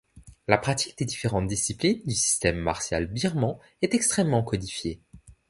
La pratique des différentes disciplines du système martial birman est extrêmement codifiée.